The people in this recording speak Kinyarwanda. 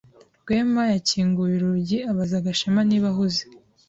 Rwema yakinguye urugi abaza Gashema niba ahuze.